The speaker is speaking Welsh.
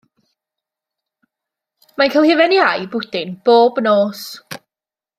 Mae'n cael hufen iâ i bwdin bob nos.